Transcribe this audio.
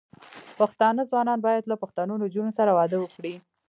پښتانه ځوانان بايد له پښتنو نجونو سره واده وکړي.